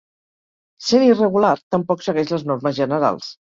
Sent irregular, tampoc segueix les normes generals.